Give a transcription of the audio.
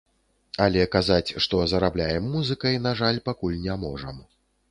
Але казаць, што зарабляем музыкай, на жаль, пакуль не можам.